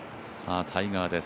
タイガーです。